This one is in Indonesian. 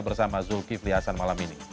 bersama zulkifli hasan malam ini